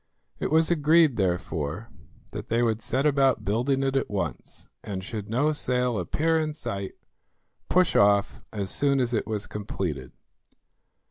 It was agreed therefore that they would set about building it at once, and should no sail appear in sight, push off as soon as it was completed.